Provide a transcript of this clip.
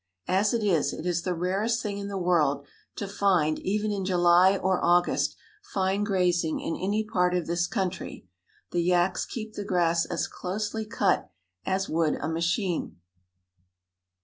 As it is, it is the rarest thing in the world to find even in July or August fine grazing in any part of this country; the yaks keep the grass as closely cut as would a machine.